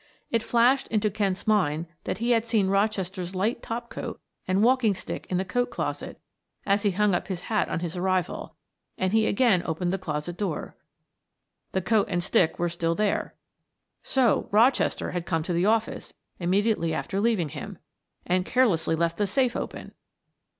It flashed into Kent's mind that he had seen Rochester's light top coat and walking stick in the coat closet as he hung up his hat on his arrival, and he again opened the closet door. The coat and stick were still there; so Rochester had come to the office immediately after leaving him, and carelessly left the safe open!